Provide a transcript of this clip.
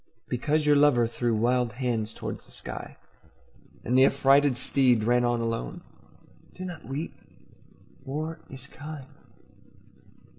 Because your lover threw wild hands toward the sky And the affrighted steed ran on alone, Do not weep. War is kind.